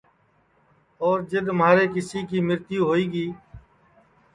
اور جِدؔ مہارے کیسی کی مرتیو ہوئی گی